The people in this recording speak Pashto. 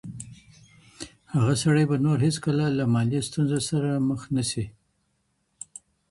هغه سړی به نور هیڅکله له مالي ستونزو سره مخ نه شي.